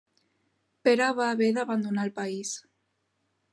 Pere va haver d'abandonar el país.